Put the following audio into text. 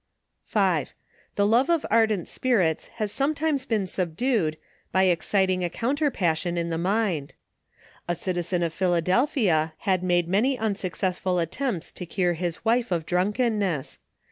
5. The love of ardent spirits has sometimes been sub dued, by exciting a counter passion in the mind. A citi zen of Philadelphia, had made many unsuccessful at tempts to cure his wife of drunkenness.